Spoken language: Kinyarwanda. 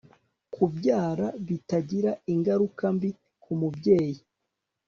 kubyara bitagira ingaruka mbi ku mubyeyi